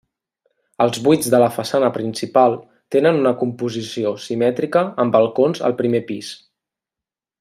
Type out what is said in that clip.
Els buits de la façana principal tenen una composició simètrica amb balcons al primer pis.